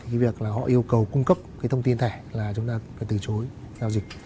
cái việc là họ yêu cầu cung cấp cái thông tin thẻ là chúng ta phải từ chối giao dịch